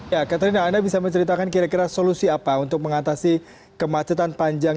ya katrina anda bisa menceritakan kira kira solusi apa untuk mengatasi kemacetan panjang